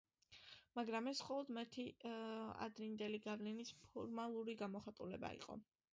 მაგრამ ეს მხოლოდ მათი ადრინდელი გავლენის ფორმალური გამოხატულება იყო.